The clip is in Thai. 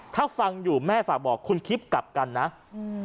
ถ้าฟังอยู่แม่ฝากบอกคุณคิดกลับกันนะอืม